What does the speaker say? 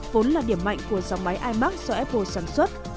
vốn là điểm mạnh của dòng máy imax do apple sản xuất